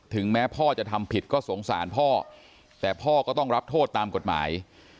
แม้พ่อจะทำผิดก็สงสารพ่อแต่พ่อก็ต้องรับโทษตามกฎหมาย